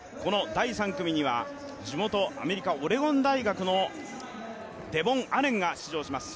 第３組には地元アメリカ、オレゴン大学のデボン・アレンが出場します。